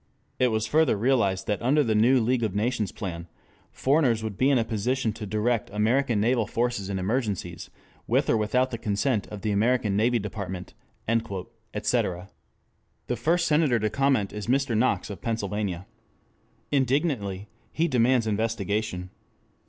"It was further realized that under the new league of nations plan foreigners would be in a position to direct American Naval forces in emergencies with or without the consent of the American Navy Department...." etc. (Italics mine). The first Senator to comment is Mr. Knox of Pennsylvania. Indignantly he demands investigation.